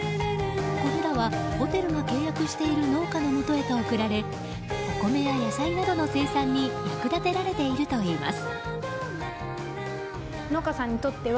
これらはホテルが契約している農家のもとへと送られお米や野菜などの生産に役立てられているといいます。